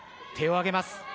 手を上げます。